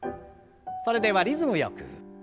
それではリズムよく。